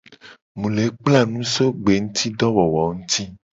Mu le kpla nu so gbengutidowowo nguti.